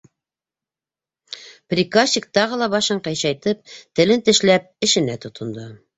Приказчик, тағы ла башын ҡыйшайтып, телен тешләп эшенә тотондо.